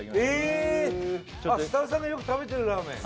えっ設楽さんがよく食べてるラーメン